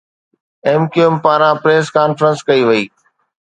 M Q M پاران press conference ڪئي وئي